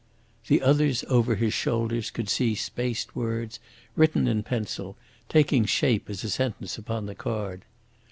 The others over his shoulders could see spaced words, written in pencil, taking shape as a sentence upon the card.